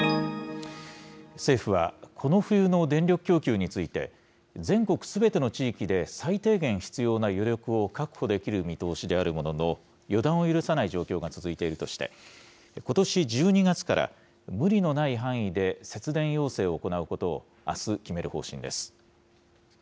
政府は、この冬の電力供給について、全国すべての地域で最低限必要な余力を確保できる見通しであるものの、予断を許さない状況が続いているとして、ことし１２月から、無理のない範囲で節電要請を行うことを、あす決める方針です。